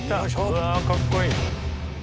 うわかっこいい。